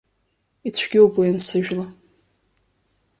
Ицәгьоуп уи ансыжәла.